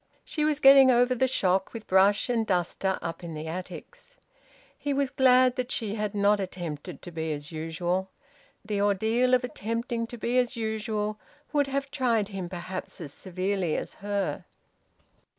She was getting over the shock with brush and duster up in the attics. He was glad that she had not attempted to be as usual. The ordeal of attempting to be as usual would have tried him perhaps as severely as her.